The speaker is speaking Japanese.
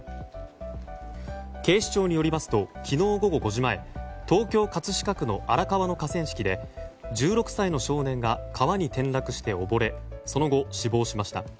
警視庁によりますと昨日午後５時前東京・葛飾区の荒川の河川敷で１６歳の少年が川に転落して溺れその後、死亡しました。